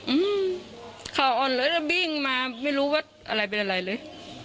อืมเขาอ่อนเลยแล้ววิ่งมาไม่รู้ว่าอะไรเป็นอะไรเลย